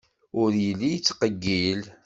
Ur yelli yettqeyyil.